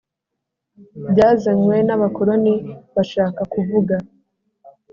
Byazanywe n abakoloni bashaka kuvuga